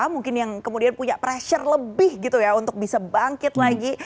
mungkin yang kemudian punya pressure lebih gitu ya untuk bisa bangkit lagi